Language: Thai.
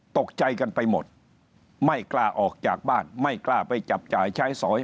ตกใจกันไปหมดไม่กล้าออกจากบ้านไม่กล้าไปจับจ่ายใช้สอย